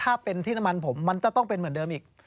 ถ้าเป็นที่น้ำมันผมมันจะต้องเป็นเหมือนเดิมอีก